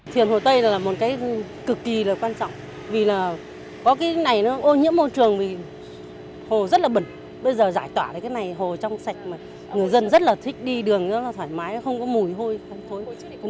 phiền hồ tây là một cái cực kỳ là quan trọng vì là có cái này nó ô nhiễm môi trường vì hồ rất là bẩn bây giờ giải tỏa được cái này hồ trong sạch mà người dân rất là thích đi đường rất là thoải mái không có mùi hôi phân phối